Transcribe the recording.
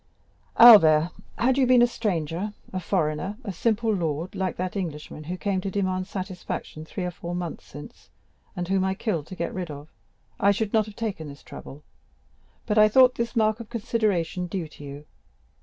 "Albert, had you been a stranger, a foreigner, a simple lord, like that Englishman who came to demand satisfaction three or four months since, and whom I killed to get rid of, I should not have taken this trouble; but I thought this mark of consideration due to you.